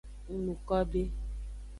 Ng nu ko be.